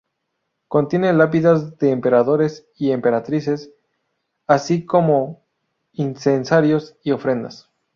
Contiene lápidas de emperadores y emperatrices, así como incensarios y ofrendas.